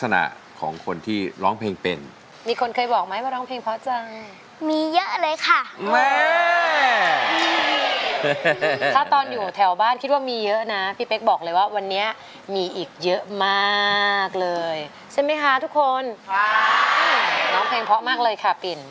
น้องเพลงเพราะมากเลยค่ะปิน